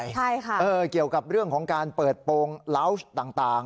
ใช่ค่ะเออเกี่ยวกับเรื่องของการเปิดโปรงลาวส์ต่าง